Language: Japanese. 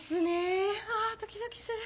あぁドキドキする！